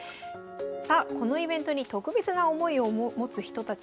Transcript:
さあこのイベントに特別な思いを持つ人たちがおりました。